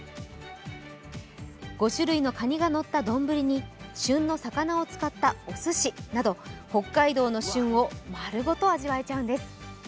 ５種類のかにがのった丼に旬の魚を使ったおすしなど北海道の旬を丸ごと味わえちゃうんです。